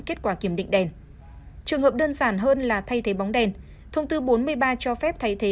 kết quả kiểm định đèn trường hợp đơn giản hơn là thay thế bóng đèn thông tư bốn mươi ba cho phép thay thế